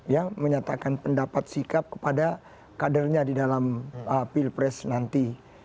ya menyatakan pendapat sikap kepada kadernya di dalam pilpres nanti